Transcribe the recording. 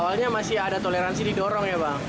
soalnya masih ada toleransi didorong ya bang